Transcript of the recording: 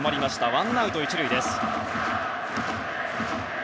ワンアウト１塁です。